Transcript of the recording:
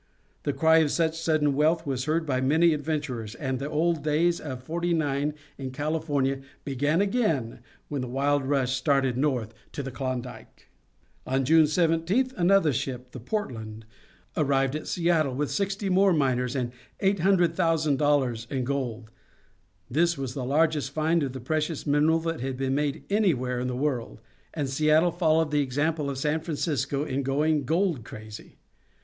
The cry of such sudden wealth was heard by many adventurers, and the old days of 'Forty Nine in California began over again when the wild rush started north to the Klondike. On June 17th another ship, the Portland, arrived at Seattle, with sixty more miners and $800,000 in gold. This was the largest find of the precious mineral that had been made anywhere in the world, and Seattle followed the example of San Francisco in going gold crazy.